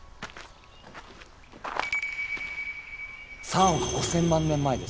３億５，０００万年前です。